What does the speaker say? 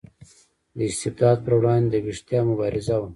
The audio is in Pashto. د استبداد پر وړاندې د ویښتیا مبارزه وه.